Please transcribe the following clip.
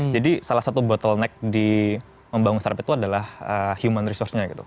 jadi salah satu bottleneck di membangun startup itu adalah human resource nya gitu